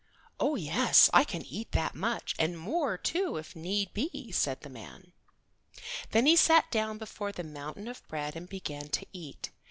"Oh, yes, I can eat that much, and more, too, if need be," said the man. Then he sat down before the mountain of bread and began to eat.